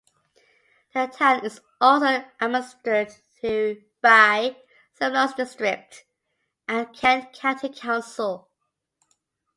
The town is also administered by Sevenoaks District and Kent County Council.